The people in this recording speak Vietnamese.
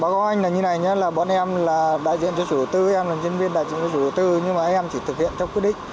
đại diện cho chủ đầu tư em là nhân viên đại diện cho chủ đầu tư nhưng mà em chỉ thực hiện trong quyết định